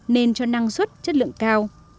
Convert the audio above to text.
nên cho năng suất chất lượng cao